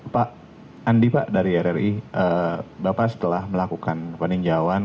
pak andi pak dari rri bapak setelah melakukan peninjauan